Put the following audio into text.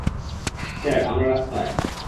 Sir, আমরা রাস্তায়।